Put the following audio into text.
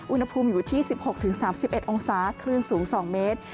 อุณหภูมิอยู่ที่๑๖๓๑องศาคลื่นสูง๒เมตร